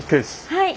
はい。